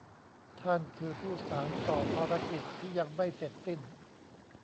ท่านคือผู้สานต่อภารกิจที่ยังไม่เสร็จสิ้น